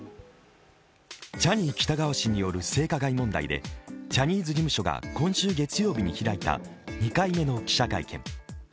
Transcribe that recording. ジャニー喜多川氏による性加害問題でジャニーズ事務所が月曜日に開いた２回目の記者会見。